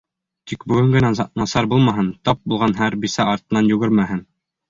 Тик бөгөн генә насар булмаһын, тап булған һәр бисә артынан йүгермәһен!